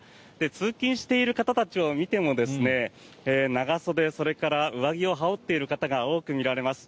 通勤している方たちを見ても長袖それから上着を羽織っている方が多く見られます。